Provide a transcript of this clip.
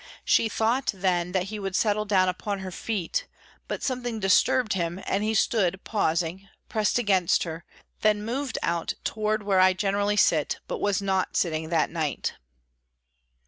She thought then that he would settle down upon her feet, but something disturbed him, and he stood pausing, pressed against her, then moved out toward where I generally sit, but was not sitting that night.